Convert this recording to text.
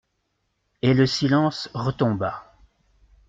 Et le silence retomba.